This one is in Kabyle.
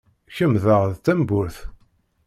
Kemm daɣ d tamburt?